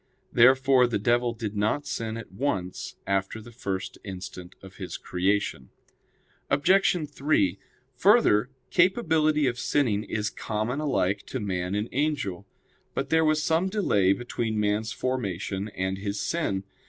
Therefore the devil did not sin at once after the first instant of his creation. Obj. 3: Further, capability of sinning is common alike to man and angel. But there was some delay between man's formation and his sin.